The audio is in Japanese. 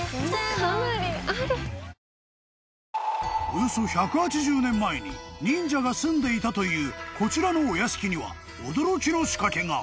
［およそ１８０年前に忍者が住んでいたというこちらのお屋敷には驚きの仕掛けが］